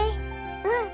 うん。